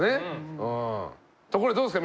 ところでどうですか？